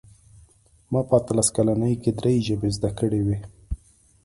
ما په اتلس کلنۍ کې درې ژبې زده کړې وې